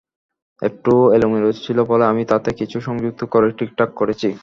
একটু এলোমেলো ছিল বলে আমি তাতে কিছু সংযুক্তি করে ঠিকঠাক করেছি।